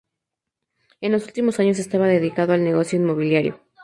En los últimos años estaba dedicado al negocio inmobiliario.